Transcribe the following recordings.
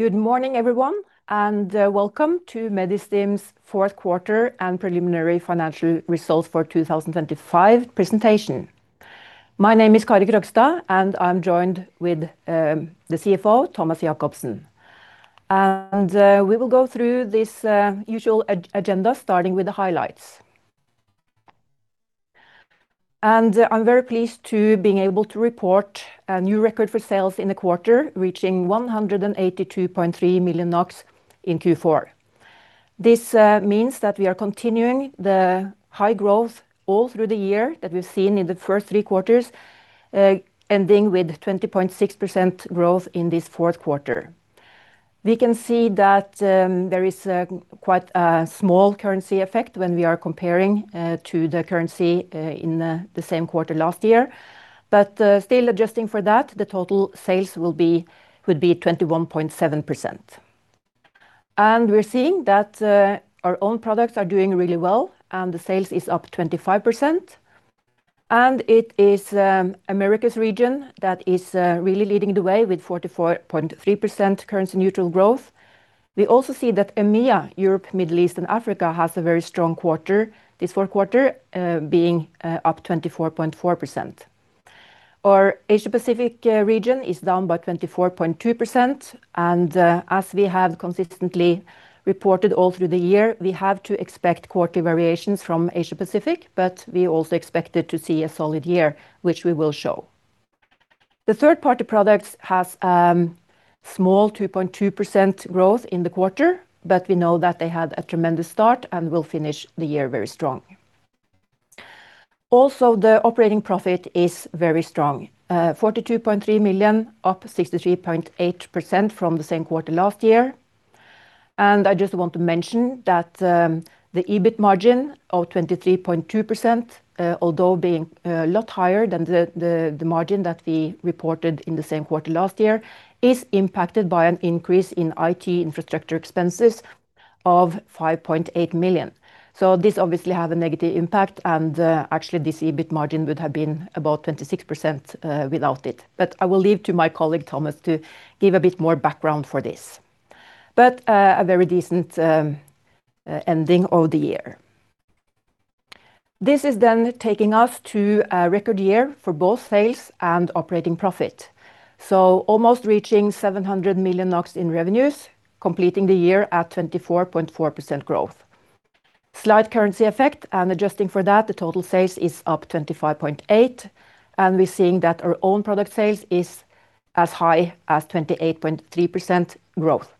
Good morning, everyone, welcome to Medistim's fourth quarter and preliminary financial results for 2025 presentation. My name is Kari Krøgstad, and I'm joined with the CFO, Thomas Jacobsen. We will go through this usual agenda, starting with the highlights. I'm very pleased to being able to report a new record for sales in the quarter, reaching 182.3 million NOK in Q4. This means that we are continuing the high growth all through the year that we've seen in the first three quarters, ending with 20.6% growth in this fourth quarter. We can see that there is quite a small currency effect when we are comparing to the currency in the same quarter last year. Still adjusting for that, the total sales will be 21.7%. We're seeing that our own products are doing really well, and the sales is up 25%. It is Americas region that is really leading the way with 44.3% currency neutral growth. We also see that EMEA, Europe, Middle East, and Africa, has a very strong quarter. This fourth quarter, being up 24.4%. Our Asia Pacific region is down by 24.2%, as we have consistently reported all through the year, we have to expect quarterly variations from Asia Pacific, we also expected to see a solid year, which we will show. The third-party products has small 2.2% growth in the quarter, but we know that they had a tremendous start and will finish the year very strong. Also, the operating profit is very strong, 42.3 million, up 63.8% from the same quarter last year. I just want to mention that the EBIT margin of 23.2%, although being a lot higher than the margin that we reported in the same quarter last year, is impacted by an increase in IT infrastructure expenses of 5.8 million. This obviously have a negative impact, and actually, this EBIT margin would have been about 26% without it. I will leave to my colleague, Thomas, to give a bit more background for this. A very decent ending of the year. This is then taking us to a record year for both sales and operating profit. Almost reaching 700 million NOK in revenues, completing the year at 24.4% growth. Slight currency effect, and adjusting for that, the total sales is up 25.8%, and we're seeing that our own product sales is as high as 28.3% growth.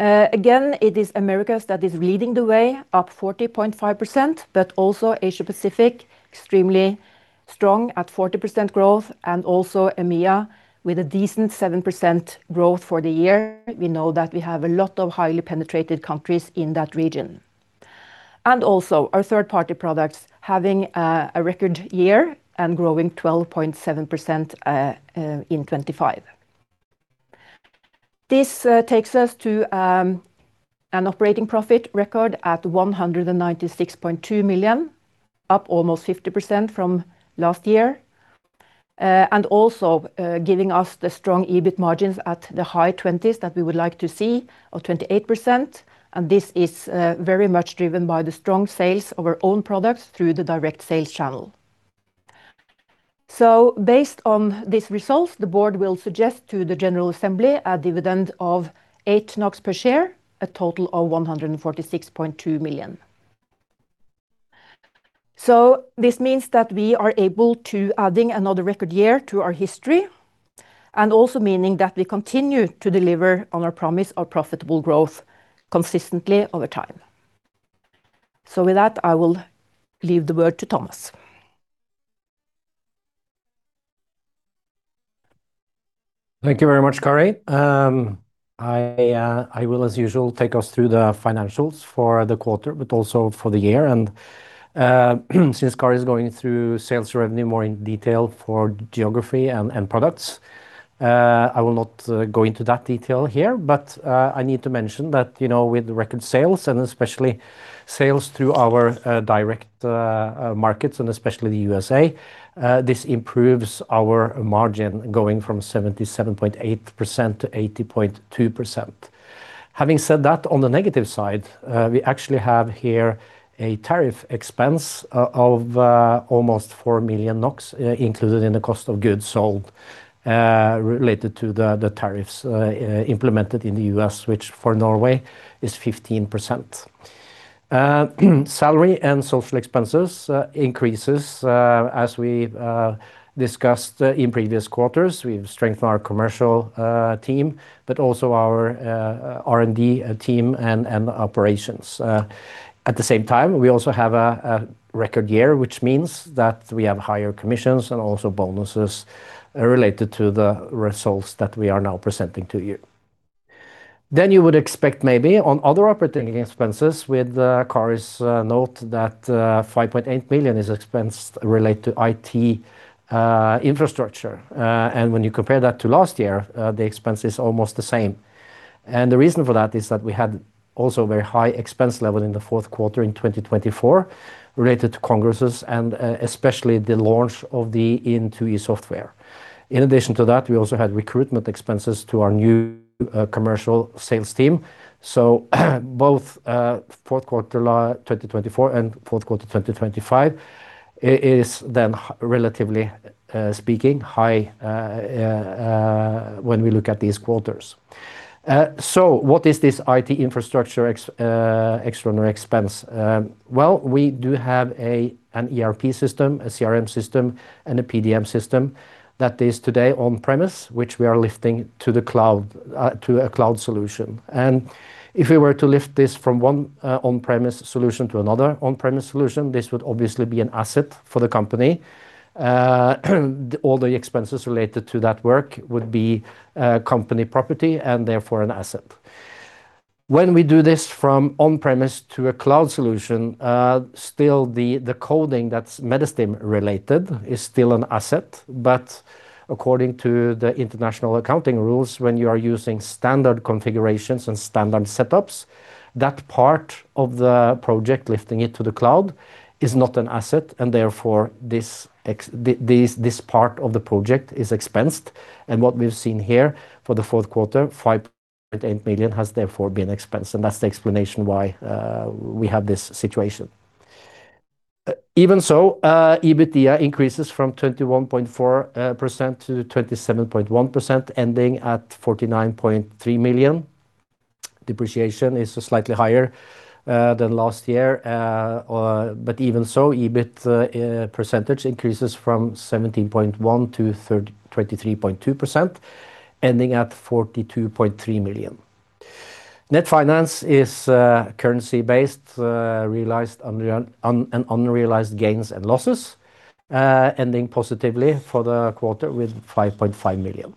Again, it is Americas that is leading the way, up 40.5%, but also Asia Pacific, extremely strong at 40% growth, and also EMEA with a decent 7% growth for the year. We know that we have a lot of highly penetrated countries in that region. Also our third-party products having a record year and growing 12.7% in 2025. This takes us to an operating profit record at 196.2 million, up almost 50% from last year, giving us the strong EBIT margins at the high 20s that we would like to see of 28%. This is very much driven by the strong sales of our own products through the direct sales channel. Based on these results, the board will suggest to the general assembly a dividend of 8 NOK per share, a total of 146.2 million. This means that we are able to adding another record year to our history, and also meaning that we continue to deliver on our promise of profitable growth consistently over time. With that, I will leave the word to Thomas. Thank you very much, Kari. I will, as usual, take us through the financials for the quarter, but also for the year. Since Kari is going through sales revenue more in detail for geography and products, I will not go into that detail here. I need to mention that, you know, with the record sales and especially sales through our direct markets, and especially the USA, this improves our margin going from 77.8%-80.2%. Having said that, on the negative side, we actually have here a tariff expense of almost 4 million NOK included in the cost of goods sold, related to the tariffs implemented in the U.S., which for Norway is 15%. Salary and social expenses increases as we've discussed in previous quarters. We've strengthened our commercial team, but also our R&D team and operations. At the same time, we also have a record year, which means that we have higher commissions and also bonuses related to the results that we are now presenting to you. You would expect maybe on other operating expenses, with Kari's note that 5.8 billion is expense related to IT infrastructure. When you compare that to last year, the expense is almost the same. The reason for that is that we had also very high expense level in the fourth quarter in 2024 related to congresses and especially the launch of the Intui software. In addition to that, we also had recruitment expenses to our new commercial sales team. Both fourth quarter 2024 and fourth quarter 2025 is then, relatively speaking, high when we look at these quarters. What is this IT infrastructure extraordinary expense? Well, we do have an ERP system, a CRM system, and a PDM system that is today on-premise, which we are lifting to the cloud, to a cloud solution. If we were to lift this from one on-premise solution to another on-premise solution, this would obviously be an asset for the company. All the expenses related to that work would be company property and therefore an asset. When we do this from on-premise to a cloud solution, still, the coding that's Medistim related is still an asset, but according to the international accounting rules, when you are using standard configurations and standard setups, that part of the project, lifting it to the cloud, is not an asset, and therefore, this part of the project is expensed. What we've seen here for the fourth quarter, 5.8 million has therefore been expensed, and that's the explanation why we have this situation. Even so, EBITDA increases from 21.4%-27.1%, ending at 49.3 million. Depreciation is slightly higher than last year, but even so, EBIT percentage increases from 17.1%-23.2%, ending at 42.3 million. Net finance is currency based, realized and unrealized gains and losses, ending positively for the quarter with 5.5 million.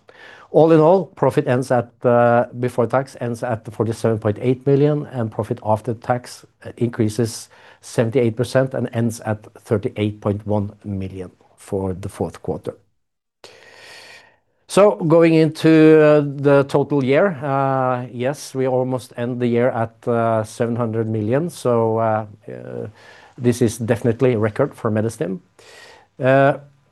All in all, profit ends at before tax, ends at 47.8 million, and profit after tax increases 78% and ends at 38.1 million for the fourth quarter. Going into the total year, yes, we almost end the year at 700 million. This is definitely a record for Medistim.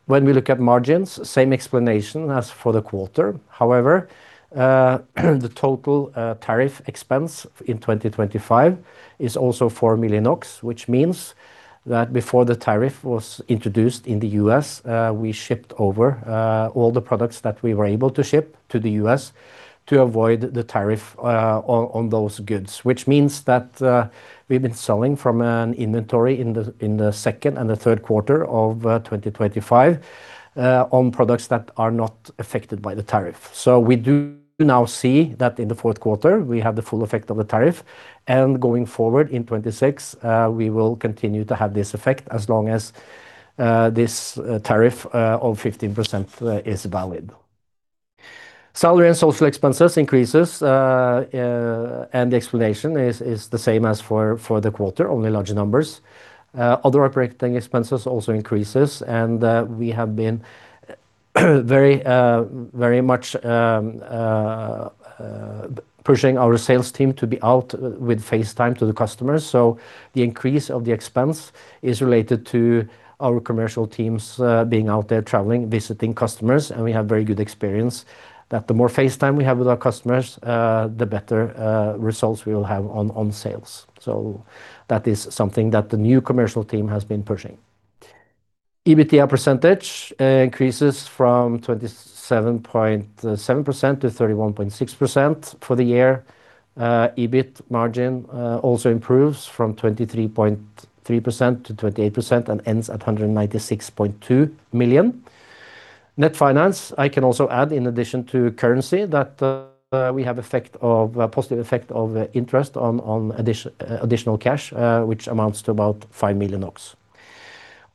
When we look at margins, same explanation as for the quarter. However, the total tariff expense in 2025 is also 4 million, which means that before the tariff was introduced in the U.S., we shipped over all the products that we were able to ship to the U.S. to avoid the tariff on those goods. Which means that we've been selling from an inventory in the second and third quarter of 2025 on products that are not affected by the tariff. We do now see that in the fourth quarter we have the full effect of the tariff, and going forward in 2026, we will continue to have this effect as long as this tariff of 15% is valid. Salary and social expenses increases. The explanation is the same as for the quarter, only larger numbers. Other operating expenses also increases. We have been very, very much pushing our sales team to be out with face time to the customers. The increase of the expense is related to our commercial teams being out there traveling, visiting customers. We have very good experience that the more face time we have with our customers, the better results we will have on sales. That is something that the new commercial team has been pushing. EBITDA percentage increases from 27.7%-31.6% for the year. EBIT margin also improves from 23.3%-28% and ends at 196.2 million. Net finance, I can also add, in addition to currency, that we have a positive effect of interest on additional cash, which amounts to about 5 million.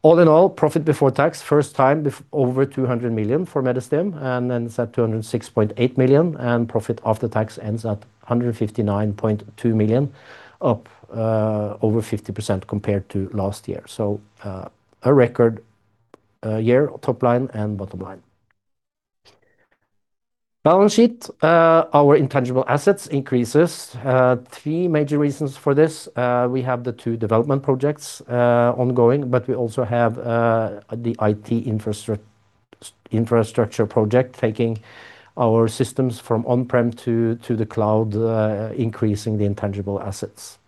All in all, profit before tax, first time over 200 million for Medistim, and ends at 206.8 million, and profit after tax ends at 159.2 million, up over 50% compared to last year. A record year, top line and bottom line. Balance sheet, our intangible assets increases. Three major reasons for this. We have the two development projects ongoing, but we also have the IT infrastructure project, taking our systems from on-prem to the cloud, increasing the intangible assets.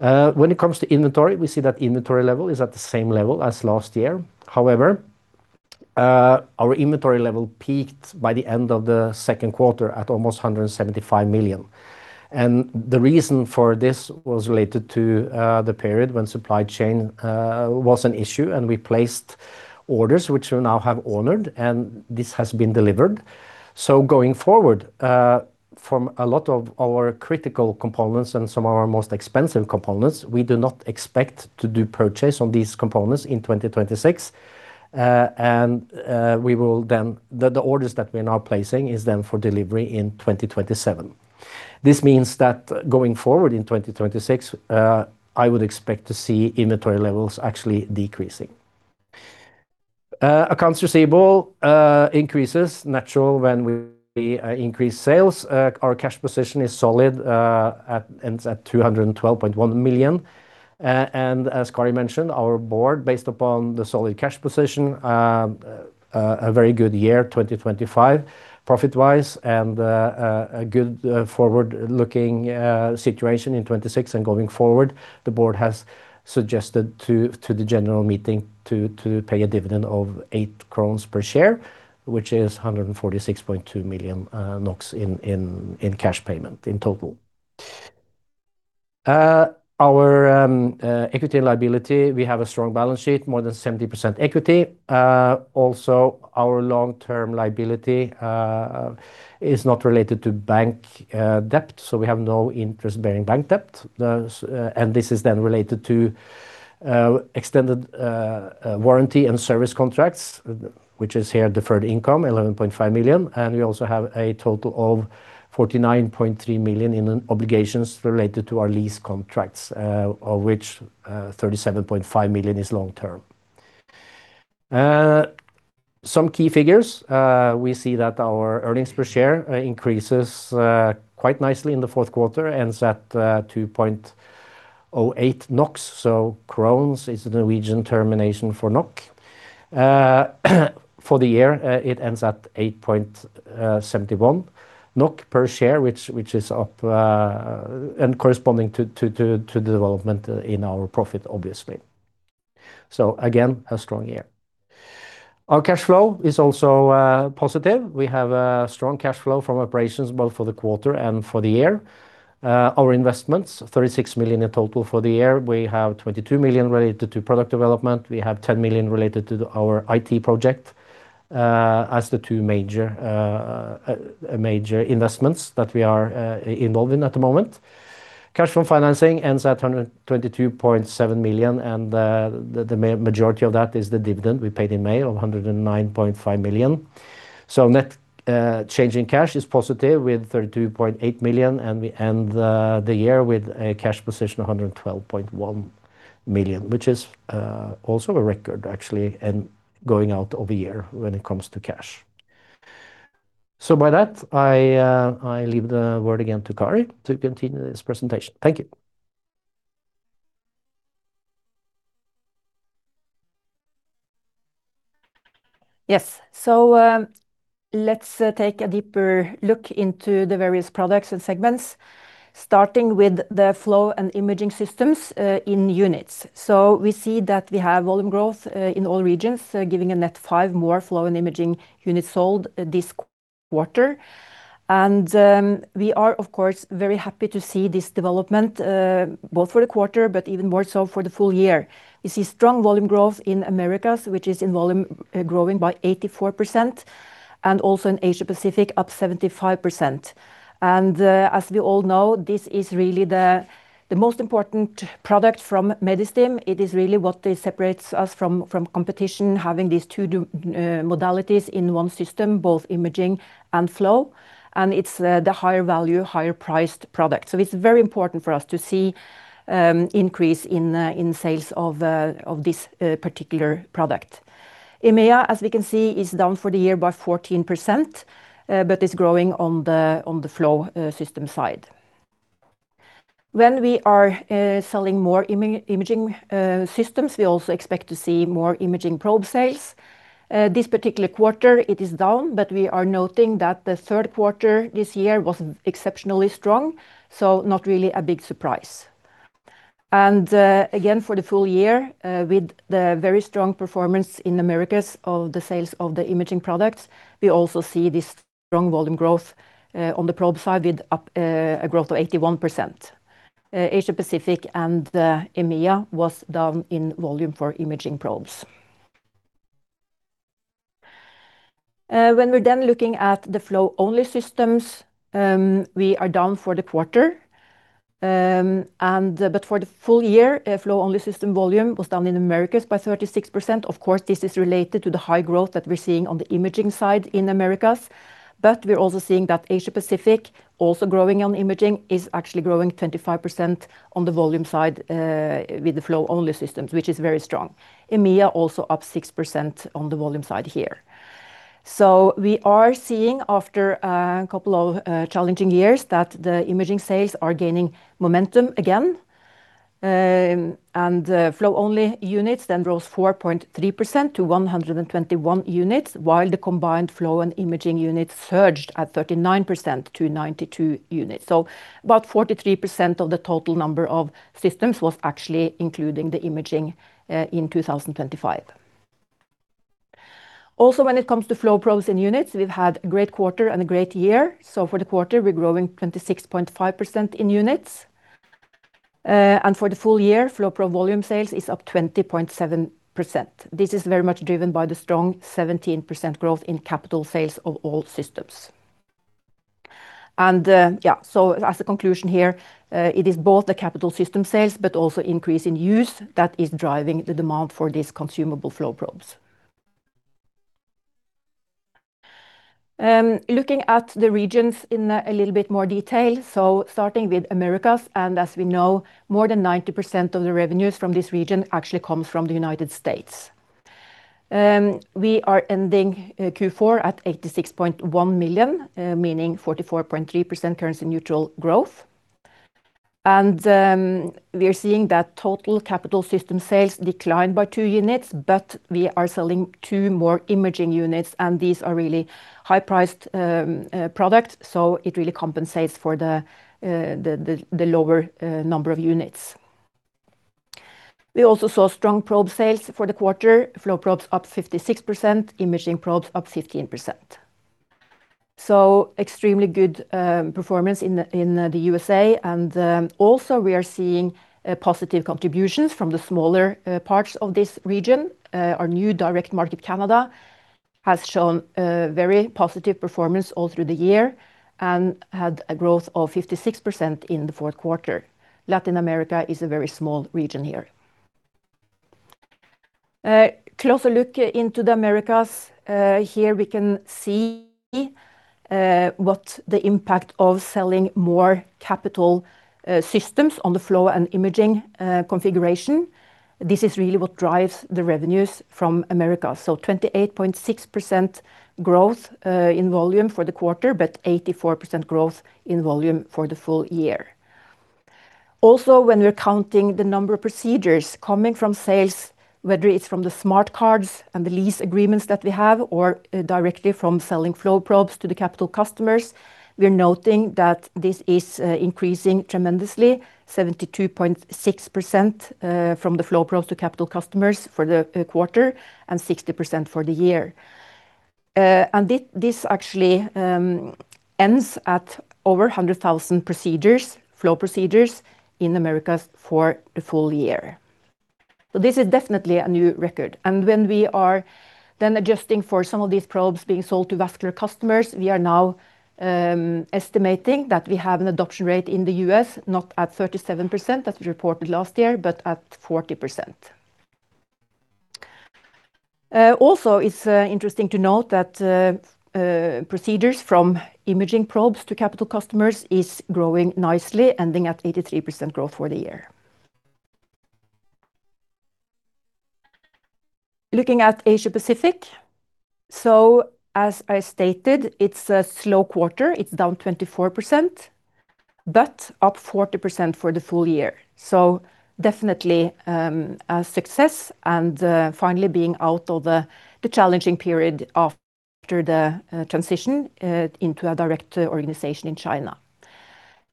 When it comes to inventory, we see that inventory level is at the same level as last year. However, our inventory level peaked by the end of the second quarter at almost 175 million. The reason for this was related to the period when supply chain was an issue, and we placed orders which we now have honored, and this has been delivered. Going forward, from a lot of our critical components and some of our most expensive components, we do not expect to do purchase on these components in 2026. We will then the orders that we are now placing is then for delivery in 2027. This means that going forward in 2026, I would expect to see inventory levels actually decreasing. Accounts receivable increases natural when we increase sales. Our cash position is solid, ends at 212.1 million. As Kari mentioned, our board, based upon the solid cash position, a very good year, 2025, profit-wise, and a good forward-looking situation in 2026 and going forward. The board has suggested to the general meeting to pay a dividend of 8 krones per share, which is 146.2 million NOK in cash payment in total. Our equity and liability, we have a strong balance sheet, more than 70% equity. Also, our long-term liability is not related to bank debt, so we have no interest-bearing bank debt. This is then related to extended warranty and service contracts, which is here, deferred income, 11.5 million, and we also have a total of 49.3 million in obligations related to our lease contracts, of which 37.5 million is long-term. Some key figures, we see that our earnings per share increases quite nicely in the fourth quarter and ends at NOKs 2.08. Krones is the Norwegian termination for NOK. For the year, it ends at 8.71 NOK per share, which is up and corresponding to the development in our profit, obviously. So again, a strong year. Our cash flow is also positive. We have a strong cash flow from operations, both for the quarter and for the year. Our investments, 36 million in total for the year. We 22 million related to product development. We have 10 million related to our IT project, as the two major major investments that we are involved in at the moment. Cash from financing ends at 122.7 million, and the majority of that is the dividend we paid in May of 109.5 million. Net change in cash is positive, with 32.8 million, and we end the year with a cash position of 112.1 million, which is also a record, actually, and going out of the year when it comes to cash. By that, I leave the word again to Kari to continue this presentation. Thank you. Yes. Let's take a deeper look into the various products and segments, starting with the flow and imaging systems in units. We see that we have volume growth in all regions, giving a net 5 more flow and imaging units sold this quarter. We are, of course, very happy to see this development, both for the quarter, but even more so for the full year. You see strong volume growth in Americas, which is in volume, growing by 84%, and also in Asia Pacific, up 75%. As we all know, this is really the most important product from Medistim. It is really what separates us from competition, having these two modalities in one system, both imaging and flow, and it's the higher value, higher priced product. It's very important for us to see increase in sales of this particular product. EMEA, as we can see, is down for the year by 14%, but is growing on the Smart Flow system side. When we are selling more MiraQ systems, we also expect to see more imaging probe sales. This particular quarter, it is down, but we are noting that the third quarter this year was exceptionally strong, not really a big surprise. Again, for the full year, with the very strong performance in Americas of the sales of the MiraQ products, we also see this strong volume growth on the probe side, with up a growth of 81%. Asia Pacific and the EMEA was down in volume for imaging probes. When we're then looking at the flow-only systems, we are down for the quarter. For the full year, flow-only system volume was down in Americas by 36%. Of course, this is related to the high growth that we're seeing on the imaging side in Americas, but we're also seeing that Asia Pacific, also growing on imaging, is actually growing 25% on the volume side with the flow-only systems, which is very strong. EMEA also up 6% on the volume side here. We are seeing after a couple of challenging years, that the imaging sales are gaining momentum again. Flow-only units then rose 4.3% to 121 units, while the combined flow and imaging units surged at 39% to 92 units. About 43% of the total number of systems was actually including the imaging in 2025. Also, when it comes to flow probes and units, we've had a great quarter and a great year. For the quarter, we're growing 26.5% in units. For the full year, flow probe volume sales is up 20.7%. This is very much driven by the strong 17% growth in capital sales of all systems. As a conclusion here, it is both the capital system sales, but also increase in use that is driving the demand for these consumable flow probes. Looking at the regions in a little bit more detail, starting with Americas, as we know, more than 90% of the revenues from this region actually comes from the United States. We are ending Q4 at 86.1 million, meaning 44.3% currency neutral growth. We are seeing that total capital system sales declined by 2 units, but we are selling 2 more imaging units, and these are really high-priced products, so it really compensates for the lower number of units. We also saw strong probe sales for the quarter. Flow probes up 56%, imaging probes up 15%. Extremely good performance in the USA, also we are seeing positive contributions from the smaller parts of this region. Our new direct market, Canada, has shown very positive performance all through the year and had a growth of 56% in the fourth quarter. Latin America is a very small region here. Closer look into the Americas. Here we can see what the impact of selling more capital systems on the flow and imaging configuration. This is really what drives the revenues from America. 28.6% growth in volume for the quarter, but 84% growth in volume for the full year. Also, when we're counting the number of procedures coming from sales, whether it's from the smart cards and the lease agreements that we have or directly from selling flow probes to the capital customers, we are noting that this is increasing tremendously, 72.6% from the flow probes to capital customers for the quarter and 60% for the year. This actually ends at over 100,000 procedures, flow procedures in Americas for the full year. This is definitely a new record. When we are then adjusting for some of these probes being sold to vascular customers, we are now estimating that we have an adoption rate in the U.S., not at 37%, as we reported last year, but at 40%. Also, it's interesting to note that procedures from imaging probes to capital customers is growing nicely, ending at 83% growth for the year. Looking at Asia Pacific, as I stated, it's a slow quarter. It's down 24%, but up 40% for the full year. Definitely a success, and finally being out of the challenging period after the transition into a direct organization in China.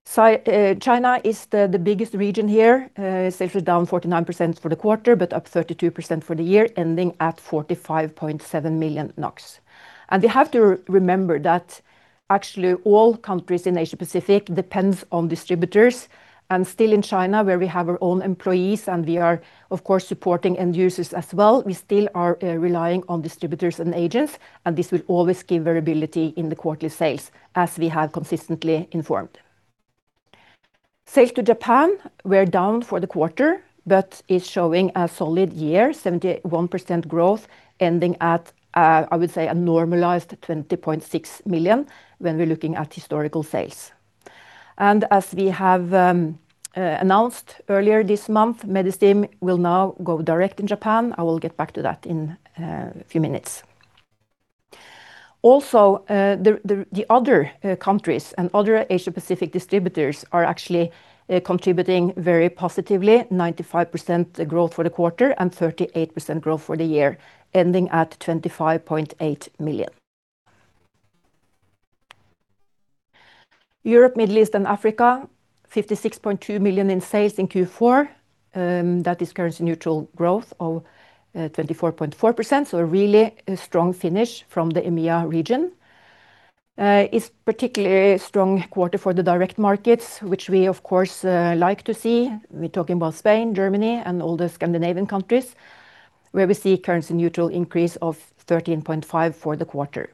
China is the biggest region here, sales are down 49% for the quarter, but up 32% for the year, ending at 45.7 million NOK. We have to remember that actually all countries in Asia Pacific depends on distributors, and still in China, where we have our own employees, and we are, of course, supporting end users as well, we still are relying on distributors and agents, and this will always give variability in the quarterly sales, as we have consistently informed. Sales to Japan were down for the quarter, but is showing a solid year, 71% growth, ending at, I would say, a normalized 20.6 million when we're looking at historical sales. As we have announced earlier this month, Medistim will now go direct in Japan. I will get back to that in a few minutes. The other countries and other Asia Pacific distributors are actually contributing very positively, 95% growth for the quarter and 38% growth for the year, ending at 25.8 million. Europe, Middle East and Africa, 56.2 million in sales in Q4. That is currency neutral growth of 24.4%. A really strong finish from the EMEA region. It's particularly a strong quarter for the direct markets, which we, of course, like to see. We're talking about Spain, Germany, and all the Scandinavian countries, where we see currency neutral increase of 13.5% for the quarter.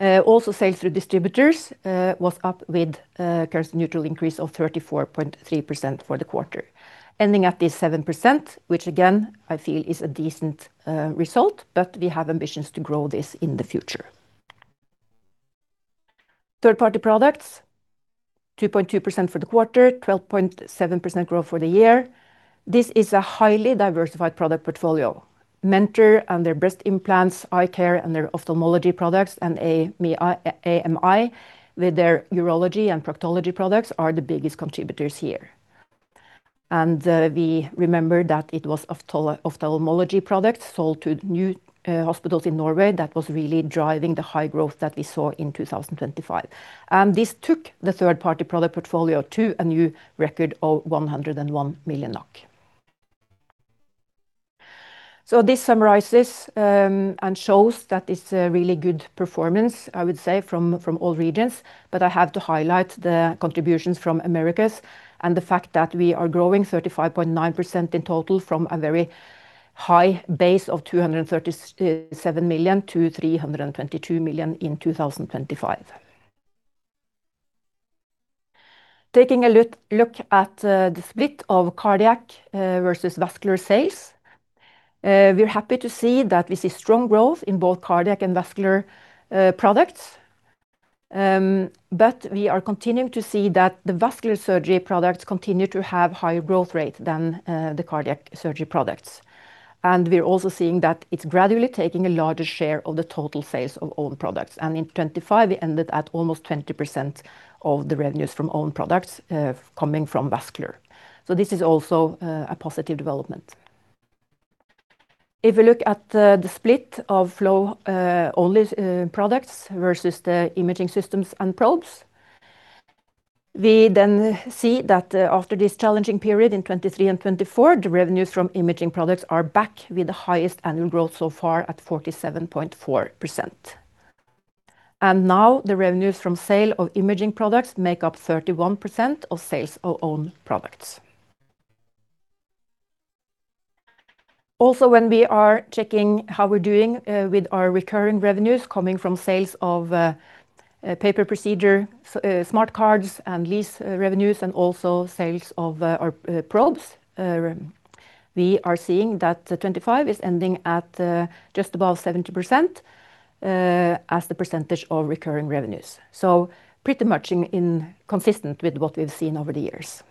Also sales through distributors was up with a currency neutral increase of 34.3% for the quarter, ending at this 7%, which again, I feel is a decent result, but we have ambitions to grow this in the future. Third-party products, 2.2% for the quarter, 12.7% growth for the year. This is a highly diversified product portfolio. Mentor and their breast implants, iCare and their ophthalmology products, A.M.I. with their urology and proctology products are the biggest contributors here. We remember that it was ophthalmology products sold to new hospitals in Norway that was really driving the high growth that we saw in 2025. This took the third-party product portfolio to a new record of 101 million NOK. This summarizes, and shows that it's a really good performance, I would say, from all regions, but I have to highlight the contributions from Americas and the fact that we are growing 35.9% in total from a very high base of 237 million-322 million in 2025. Taking a look at the split of cardiac versus vascular sales. We're happy to see that we see strong growth in both cardiac and vascular products. We are continuing to see that the vascular surgery products continue to have higher growth rate than the cardiac surgery products. We're also seeing that it's gradually taking a larger share of the total sales of own products. In 2025, we ended at almost 20% of the revenues from own products coming from vascular. This is also a positive development. If we look at the split of flow only products versus the imaging systems and probes, we see that after this challenging period in 2023 and 2024, the revenues from imaging products are back with the highest annual growth so far at 47.4%. Now the revenues from sale of imaging products make up 31% of sales of own products. Also, when we are checking how we're doing with our recurring revenues coming from sales of paper procedure smart cards and lease revenues, and also sales of our probes, we are seeing that 25 is ending at just above 70% as the percentage of recurring revenues, so pretty much in consistent with what we've seen over the years.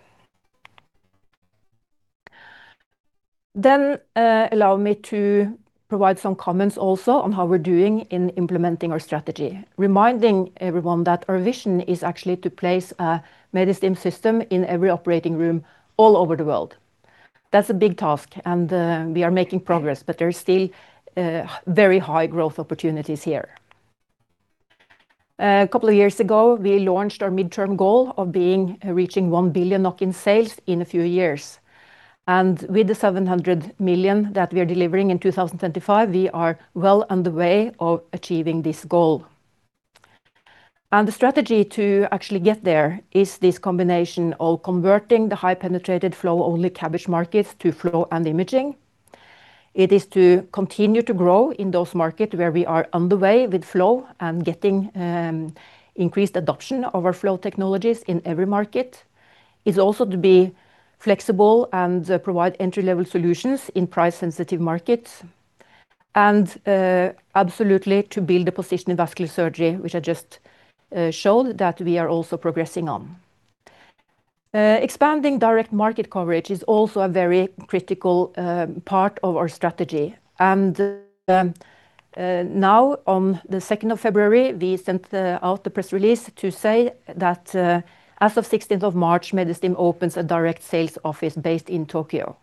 Allow me to provide some comments also on how we're doing in implementing our strategy, reminding everyone that our vision is actually to place a Medistim system in every operating room all over the world. That's a big task, and we are making progress, but there is still very high growth opportunities here. A couple of years ago, we launched our midterm goal of reaching 1 billion in sales in a few years. With the 700 million that we are delivering in 2025, we are well on the way of achieving this goal. The strategy to actually get there is this combination of converting the high-penetrated flow-only CABG markets to flow and imaging. It is to continue to grow in those markets where we are on the way with flow and getting increased adoption of our flow technologies in every market. It's also to be flexible and provide entry-level solutions in price-sensitive markets, and absolutely, to build a position in vascular surgery, which I just showed that we are also progressing on. Expanding direct market coverage is also a very critical part of our strategy. Now, on the 2nd of February, we sent out the press release to say that as of 16th of March, Medistim opens a direct sales office based in Tokyo.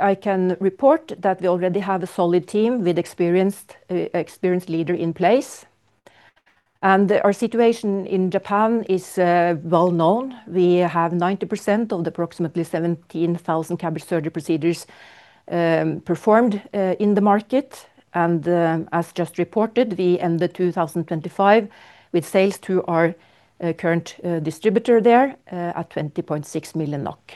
I can report that we already have a solid team with experienced leader in place, and our situation in Japan is well-known. We have 90% of the approximately 17,000 CABG surgery procedures performed in the market. As just reported, we ended 2025 with sales to our current distributor there at 20.6 million NOK.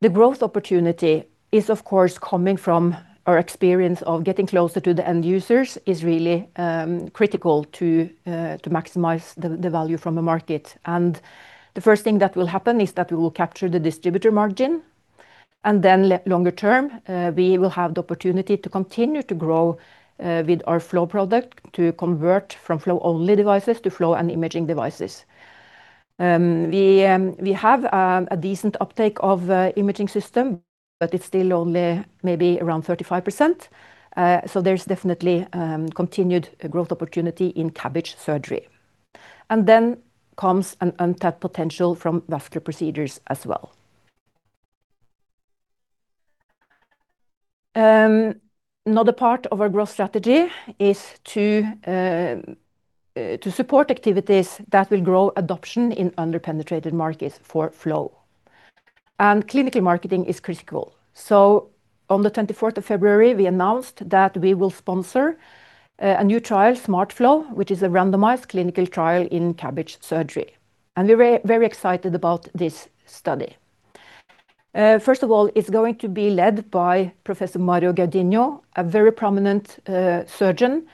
The growth opportunity is, of course, coming from our experience of getting closer to the end users is really critical to maximize the value from a market. The first thing that will happen is that we will capture the distributor margin, then longer term, we will have the opportunity to continue to grow with our flow product, to convert from flow-only devices to flow and imaging devices. We have a decent uptake of imaging system, but it's still only maybe around 35%. There's definitely continued growth opportunity in CABG surgery. Then comes an untapped potential from vascular procedures as well. Another part of our growth strategy is to support activities that will grow adoption in under-penetrated markets for flow. Clinical marketing is critical. On the 24th of February, we announced that we will sponsor a new trial, Smart Flow, which is a randomized clinical trial in CABG surgery, and we're very excited about this study. First of all, it's going to be led by Professor Mario Gaudino, a very prominent surgeon,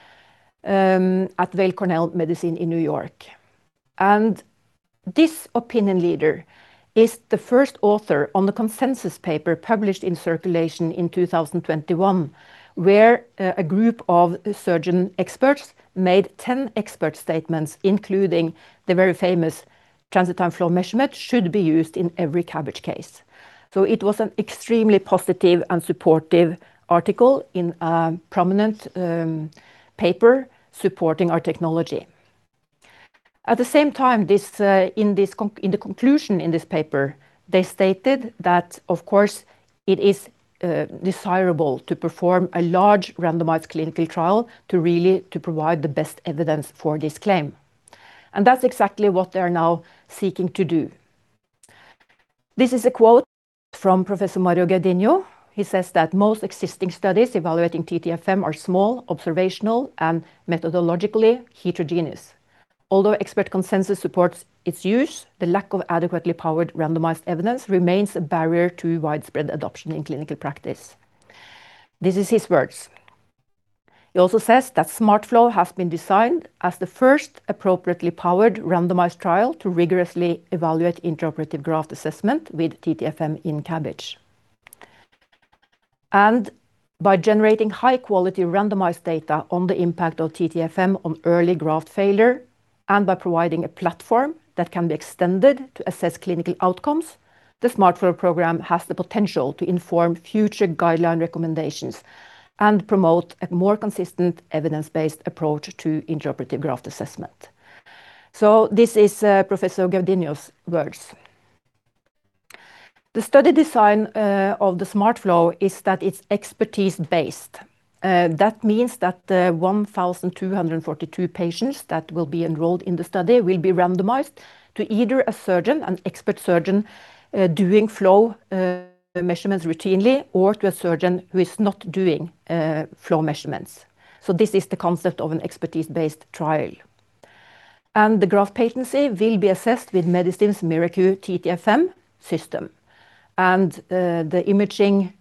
at Weill Cornell Medicine in New York. This opinion leader is the first author on the consensus paper published in Circulation in 2021, where a group of surgeon experts made 10 expert statements, including the very famous transit time flow measurement should be used in every CABG case. It was an extremely positive and supportive article in a prominent paper supporting our technology. At the same time, in the conclusion in this paper, they stated that, of course, it is desirable to perform a large randomized clinical trial to provide the best evidence for this claim, and that's exactly what they are now seeking to do. This is a quote from Professor Mario Gaudino. He says that "Most existing studies evaluating TTFM are small, observational, and methodologically heterogeneous."... although expert consensus supports its use, the lack of adequately powered randomized evidence remains a barrier to widespread adoption in clinical practice. This is his words. He also says that SMART-FLOW has been designed as the first appropriately powered randomized trial to rigorously evaluate intraoperative graft assessment with TTFM in CABG. By generating high-quality randomized data on the impact of TTFM on early graft failure, and by providing a platform that can be extended to assess clinical outcomes, the SMART-FLOW program has the potential to inform future guideline recommendations and promote a more consistent, evidence-based approach to intraoperative graft assessment. This is Professor Gaudino's words. The study design of the SMART-FLOW is that it's expertise-based. That means that the 1,242 patients that will be enrolled in the study will be randomized to either a surgeon, an expert surgeon, doing flow measurements routinely, or to a surgeon who is not doing flow measurements. This is the concept of an expertise-based trial. The graft patency will be assessed with Medistim's MiraQ TTFM system, and the imaging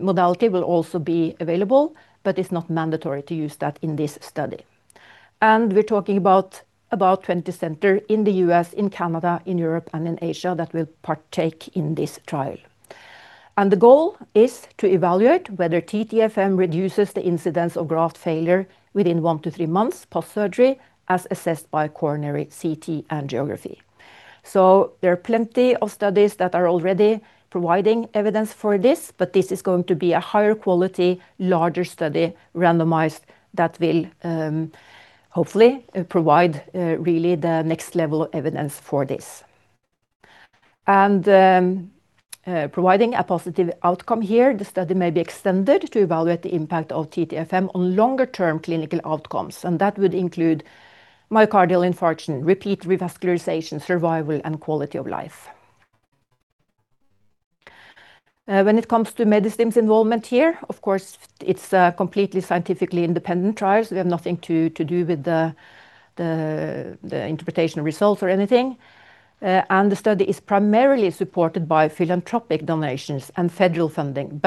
modality will also be available, but it's not mandatory to use that in this study. We're talking about 20 center in the U.S., in Canada, in Europe, and in Asia that will partake in this trial. The goal is to evaluate whether TTFM reduces the incidence of graft failure within 1 months-3 months post-surgery, as assessed by coronary CT angiography. There are plenty of studies that are already providing evidence for this, but this is going to be a higher quality, larger study, randomized, that will hopefully provide really the next level of evidence for this. Providing a positive outcome here, the study may be extended to evaluate the impact of TTFM on longer-term clinical outcomes, and that would include myocardial infarction, repeat revascularization, survival, and quality of life. When it comes to Medistim's involvement here, of course, it's completely scientifically independent trials. We have nothing to do with the interpretation of results or anything. The study is primarily supported by philanthropic donations and federal funding.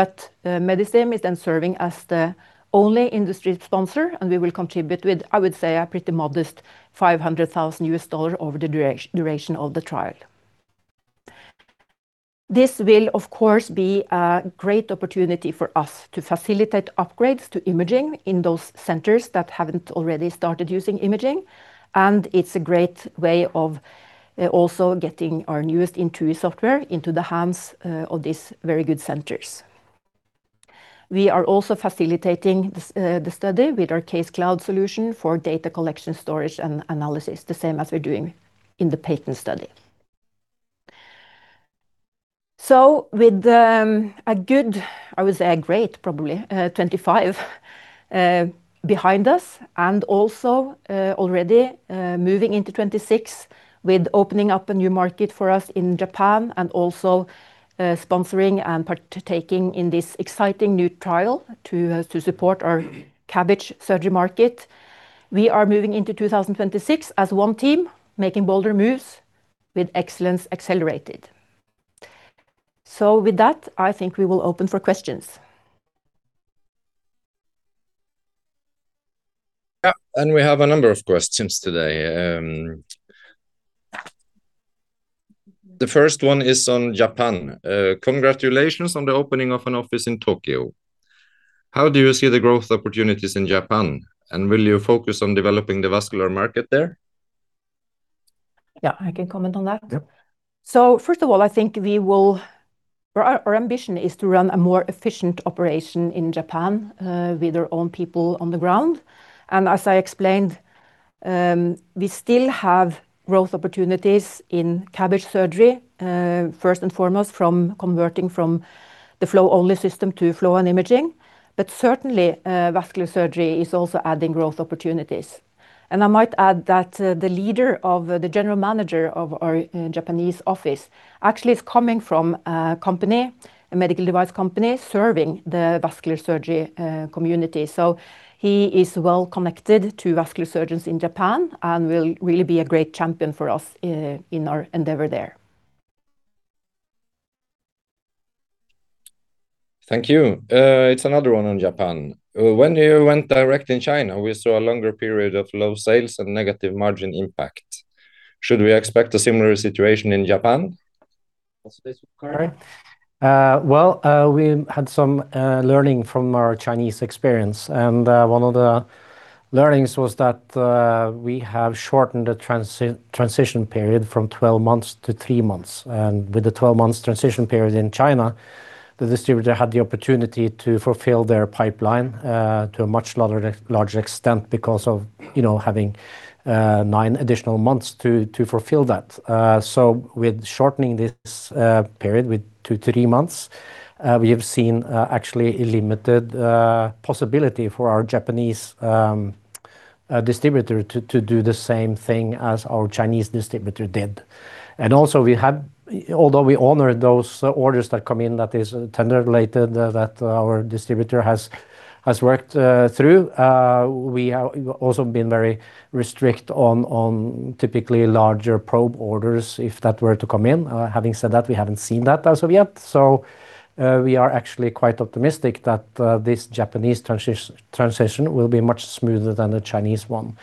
Medistim is serving as the only industry sponsor, and we will contribute with, I would say, a pretty modest $500,000 over the duration of the trial. This will, of course, be a great opportunity for us to facilitate upgrades to imaging in those centers that haven't already started using imaging, and it's a great way of also getting our newest Intui software into the hands of these very good centers. We are also facilitating this the study with our CaseCloud solution for data collection, storage, and analysis, the same as we're doing in the PATENT study. With, a good, I would say, a great, probably, 2025, behind us, and also, already, moving into 2026, with opening up a new market for us in Japan and also, sponsoring and partaking in this exciting new trial to support our CABG surgery market. We are moving into 2026 as one team, making bolder moves with excellence accelerated. With that, I think we will open for questions. We have a number of questions today. The first one is on Japan. "Congratulations on the opening of an office in Tokyo. How do you see the growth opportunities in Japan, and will you focus on developing the vascular market there? Yeah, I can comment on that. Yep. First of all, I think our ambition is to run a more efficient operation in Japan with our own people on the ground. As I explained, we still have growth opportunities in CABG surgery, first and foremost, from converting from the flow-only system to flow and imaging. Certainly, vascular surgery is also adding growth opportunities. I might add that the general manager of our Japanese office actually is coming from a company, a medical device company, serving the vascular surgery community. He is well connected to vascular surgeons in Japan and will really be a great champion for us in our endeavor there. Thank you. It's another one on Japan: "When you went direct in China, we saw a longer period of low sales and negative margin impact. Should we expect a similar situation in Japan?" This is Karim. Well, we had some learning from our Chinese experience, one of the learnings was that we have shortened the transition period from 12 months-3 months. With the 12 months transition period in China, the distributor had the opportunity to fulfill their pipeline to a much larger extent because of, you know, having nine additional months to fulfill that. With shortening this period with 2 months-3 months, we have seen actually a limited possibility for our Japanese distributor to do the same thing as our Chinese distributor did. Also, we have although we honor those orders that come in, that is tender related, that our distributor has worked through, we have also been very restrict on typically larger probe orders, if that were to come in. Having said that, we haven't seen that as of yet. We are actually quite optimistic that this Japanese transition will be much smoother than the Chinese one.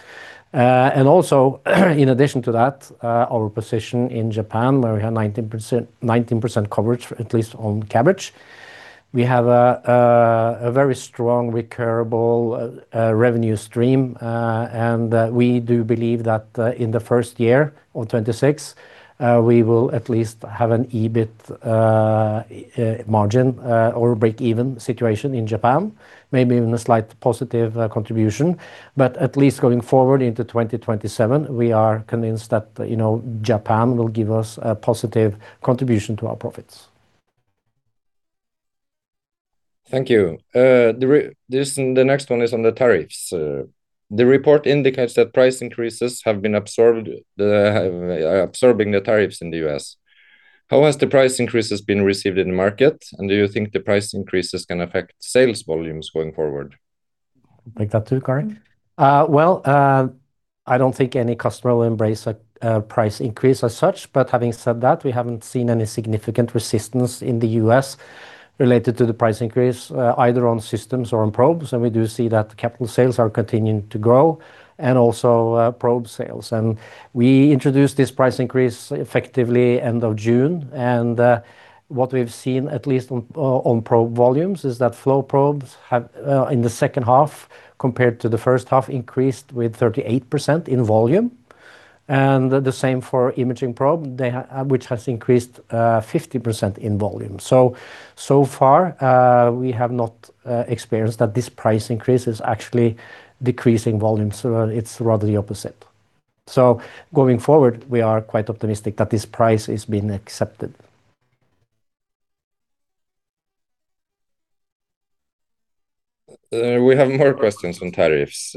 Also, in addition to that, our position in Japan, where we have 19%, 19% coverage, at least on CABG, we have a very strong recurring revenue stream. We do believe that in the first year of 2026, we will at least have an EBIT margin or breakeven situation in Japan, maybe even a slight positive contribution. At least going forward into 2027, we are convinced that, you know, Japan will give us a positive contribution to our profits. Thank you. This, the next one is on the tariffs. The report indicates that price increases have been absorbed, absorbing the tariffs in the U.S. How has the price increases been received in the market, and do you think the price increases can affect sales volumes going forward? Take that too, Karim? Well, I don't think any customer will embrace a price increase as such, but having said that, we haven't seen any significant resistance in the U.S. related to the price increase, either on systems or on probes. We do see that capital sales are continuing to grow, and also probe sales. We introduced this price increase effectively end of June, and what we've seen, at least on probe volumes, is that flow probes have in the H2, compared to the H1, increased with 38% in volume, and the same for imaging probe, which has increased 50% in volume. So far, we have not experienced that this price increase is actually decreasing volumes. It's rather the opposite. Going forward, we are quite optimistic that this price is being accepted. We have more questions on tariffs.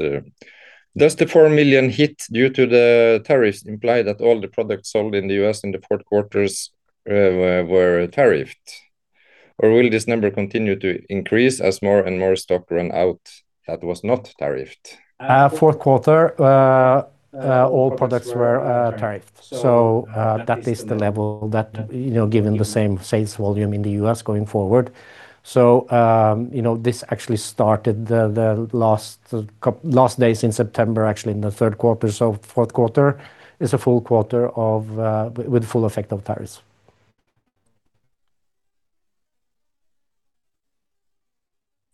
Does the 4 million hit due to the tariffs imply that all the products sold in the U.S. in the fourth quarters were tariffed, or will this number continue to increase as more and more stock run out that was not tariffed? Fourth quarter, all products were tariffed. That is the level that, you know, given the same sales volume in the U.S. going forward. You know, this actually started the last days in September, actually in the third quarter. Fourth quarter is a full quarter with full effect of tariffs.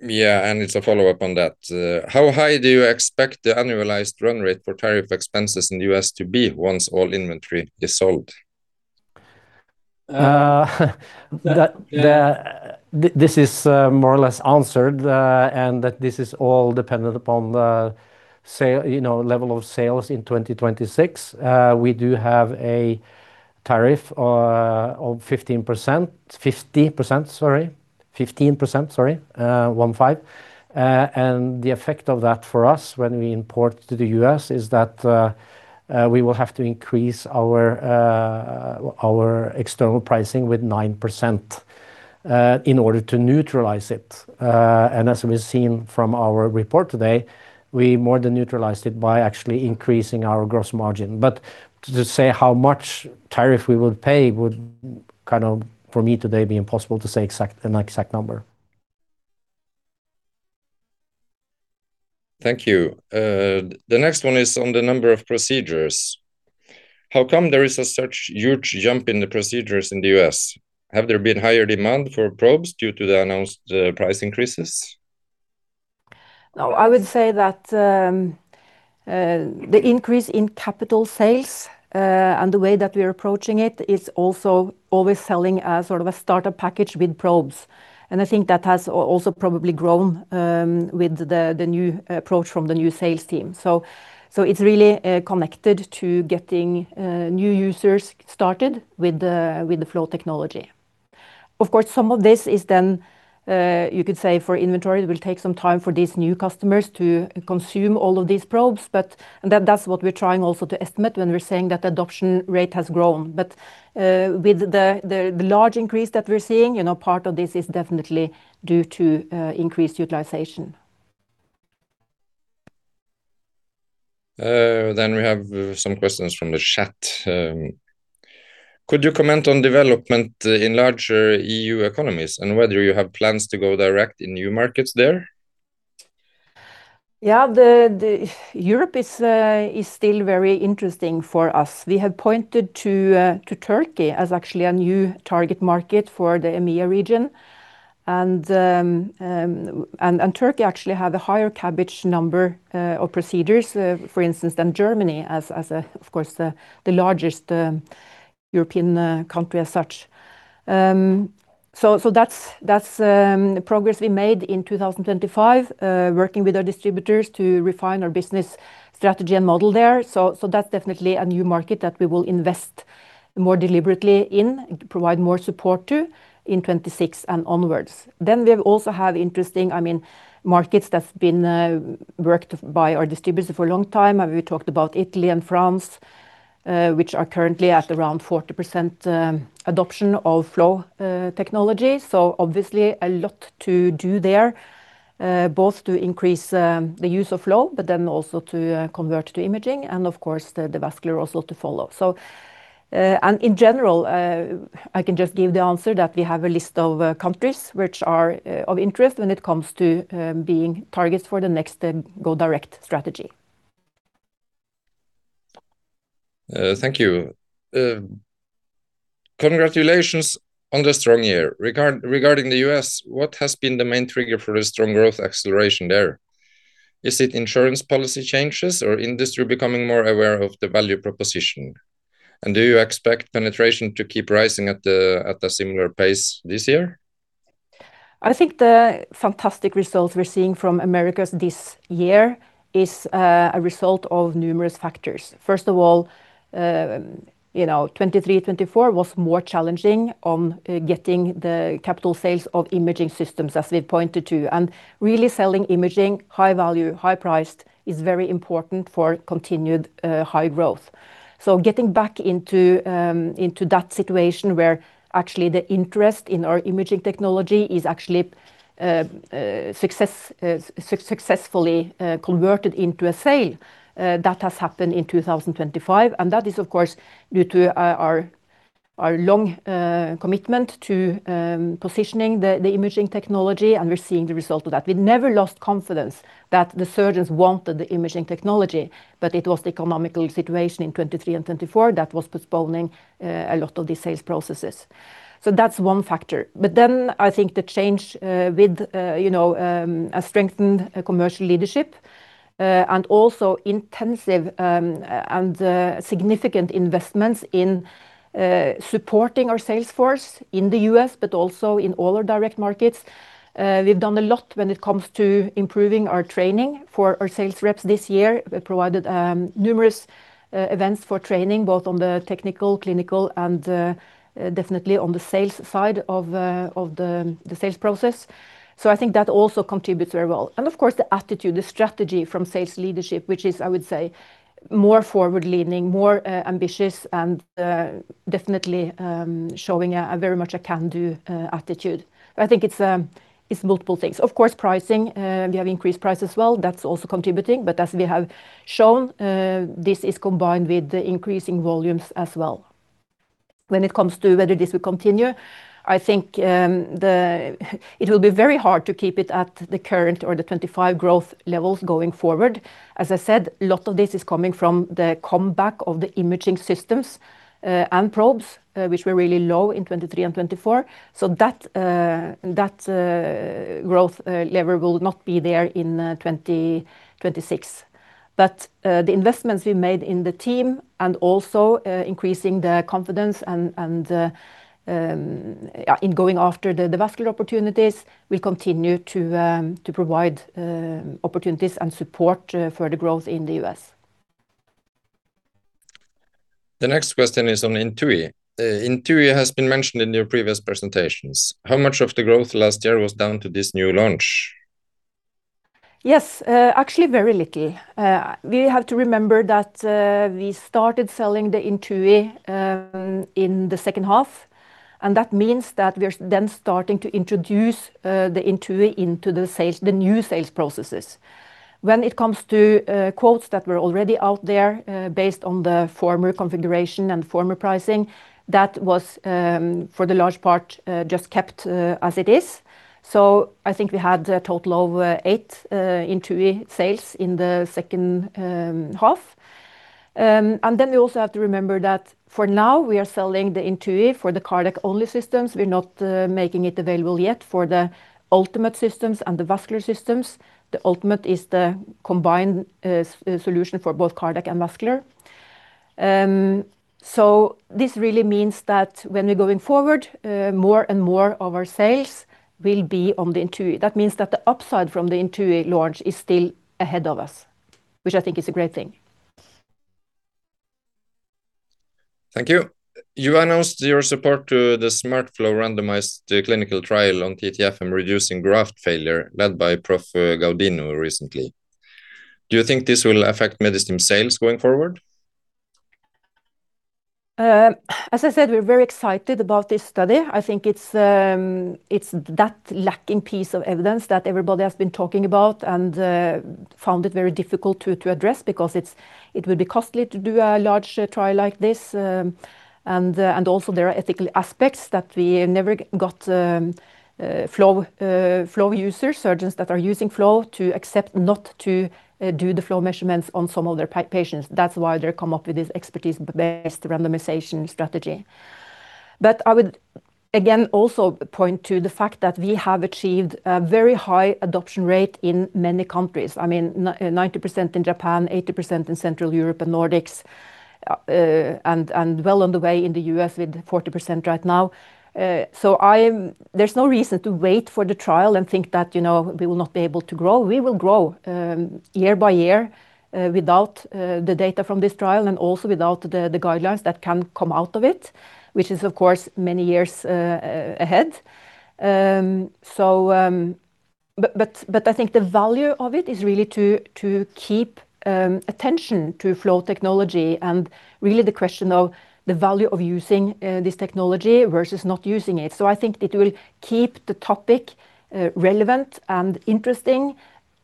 Yeah, it's a follow-up on that. How high do you expect the annualized run rate for tariff expenses in the U.S. to be once all inventory is sold? That this is more or less answered, and that this is all dependent upon the sale, you know, level of sales in 2026. We do have a tariff of 15%, 50%, sorry. 15%, sorry, 15%. The effect of that for us when we import to the U.S., is that we will have to increase our external pricing with 9% in order to neutralize it. As we've seen from our report today, we more than neutralized it by actually increasing our gross margin. To say how much tariff we would pay would kind of, for me today, be impossible to say exact, an exact number. Thank you. The next one is on the number of procedures. How come there is a such huge jump in the procedures in the U.S.? Have there been higher demand for probes due to the announced, price increases? No, I would say that the increase in capital sales, and the way that we're approaching it, is also always selling a sort of a starter package with probes. I think that has also probably grown with the new approach from the new sales team. It's really connected to getting new users started with the flow technology. Of course, some of this is then, you could say for inventory. It will take some time for these new customers to consume all of these probes, that's what we're trying also to estimate when we're saying that adoption rate has grown. With the large increase that we're seeing, you know, part of this is definitely due to increased utilization. We have some questions from the chat. Could you comment on development in larger EU economies, and whether you have plans to go direct in new markets there? Yeah, the Europe is still very interesting for us. We have pointed to Turkey as actually a new target market for the EMEA region. Turkey actually have a higher CABG number or procedures, for instance, than Germany, as a, of course, the largest European country as such. That's progress we made in 2025, working with our distributors to refine our business strategy and model there. That's definitely a new market that we will invest more deliberately in, provide more support to in 2026 and onwards. We also have interesting, I mean, markets that's worked by our distributor for a long time. We talked about Italy and France, which are currently at around 40% adoption of flow technology. Obviously a lot to do there, both to increase the use of flow, but then also to convert to imaging and of course, the vascular also to follow. In general, I can just give the answer that we have a list of countries which are of interest when it comes to being targets for the next go direct strategy. Thank you. Congratulations on the strong year. Regarding the US, what has been the main trigger for the strong growth acceleration there? Is it insurance policy changes or industry becoming more aware of the value proposition? Do you expect penetration to keep rising at a similar pace this year? I think the fantastic results we're seeing from Americas this year is a result of numerous factors. First of all, you know, 2023, 2024 was more challenging on getting the capital sales of imaging systems, as we pointed to, and really selling imaging, high value, high priced, is very important for continued high growth. Getting back into that situation where actually the interest in our imaging technology is actually successfully converted into a sale, that has happened in 2025, and that is of course, due to our long commitment to positioning the imaging technology, and we're seeing the result of that. We never lost confidence that the surgeons wanted the imaging technology, but it was the economical situation in 2023 and 2024 that was postponing a lot of the sales processes. That's one factor. I think the change, with, you know, a strengthened commercial leadership, and also intensive, and significant investments in, supporting our sales force in the U.S., but also in all our direct markets. We've done a lot when it comes to improving our training for our sales reps this year. We provided, numerous, events for training, both on the technical, clinical, and, definitely on the sales side of the sales process. I think that also contributes very well, and of course, the attitude, the strategy from sales leadership, which is, I would say, more forward-leaning, more, ambitious, and, definitely, showing a very much a can-do attitude. I think it's multiple things. Of course, pricing, we have increased price as well. That's also contributing, but as we have shown, this is combined with the increasing volumes as well. When it comes to whether this will continue, I think, it will be very hard to keep it at the current or the 25 growth levels going forward. As I said, a lot of this is coming from the comeback of the imaging systems, and probes, which were really low in 2023 and 2024. That growth level will not be there in 2026. The investments we made in the team and also increasing the confidence and in going after the vascular opportunities, will continue to provide opportunities and support for the growth in the U.S. The next question is on Intui. Intui has been mentioned in your previous presentations. How much of the growth last year was down to this new launch? Yes, actually, very little. We have to remember that we started selling the Intui in the H2. That means that we are then starting to introduce the Intui into the sales, the new sales processes. When it comes to quotes that were already out there, based on the former configuration and former pricing, that was for the large part just kept as it is. I think we had a total of eight Intui sales in the H2. We also have to remember that for now we are selling the Intui for the cardiac-only systems. We're not making it available yet for the ultimate systems and the vascular systems. The ultimate is the combined solution for both cardiac and vascular. This really means that when we're going forward, more and more of our sales will be on the Intui. That means that the upside from the Intui launch is still ahead of us, which I think is a great thing. Thank you. You announced your support to the Smart Flow randomized clinical trial on TTFM, reducing graft failure, led by Prof Gaudino recently. Do you think this will affect Medistim sales going forward? As I said, we're very excited about this study. I think it's that lacking piece of evidence that everybody has been talking about and found it very difficult to address because it's, it would be costly to do a large trial like this. Also there are ethical aspects that we never got flow user surgeons that are using flow to accept, not to do the flow measurements on some of their patients. That's why they come up with this expertise-based randomization strategy. I would, again, also point to the fact that we have achieved a very high adoption rate in many countries. I mean, 90% in Japan, 80% in Central Europe and Nordics, and well on the way in the U.S. with 40% right now. There's no reason to wait for the trial and think that, you know, we will not be able to grow. We will grow, year-by-year, without, the data from this trial and also without the guidelines that can come out of it, which is, of course, many years, ahead. I think the value of it is really to keep, attention to flow technology and really the question of the value of using, this technology versus not using it. I think it will keep the topic, relevant and interesting.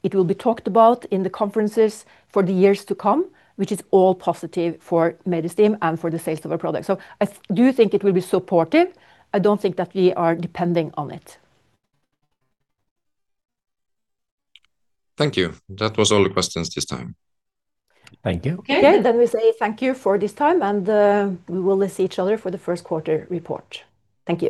It will be talked about in the conferences for the years to come, which is all positive for Medistim and for the sales of our product. I do think it will be supportive. I don't think that we are depending on it. Thank you. That was all the questions this time. Thank you. Okay, we say thank you for this time, and, we will see each other for the first quarter report. Thank you.